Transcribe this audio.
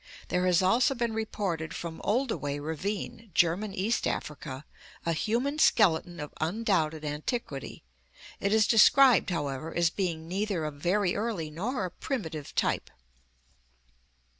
There has also been reported from Oldoway ravine, German East Africa, a human skeleton of undoubted antiquity. It is described, however, as being neither a very early nor a primitive type.